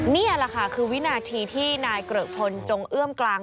นี่แหละค่ะคือวินาทีที่นายเกริกพลจงเอื้อมกลาง